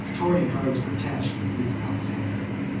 ] The Prætorian guards were attached to the youth of Alexander.